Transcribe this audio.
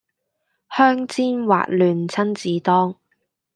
香煎滑嫩親子丼